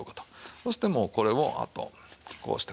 そしてもうこれをあとこうして。